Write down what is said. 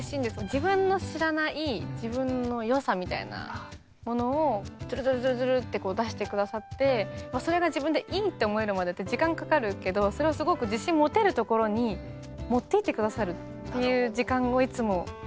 自分の知らない自分の良さみたいなものをズルズルズルズルってこう出して下さってそれが自分でいいって思えるまでって時間かかるけどそれをすごく自信持てるところに持っていって下さるっていう時間をいつも。